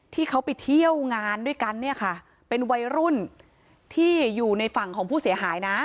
ที่เขาไปเที่ยวงานด้วยกันเนี่ยค่ะเป็นวัยรุ่นที่อยู่ในฝั่งของผู้เสียหายนะ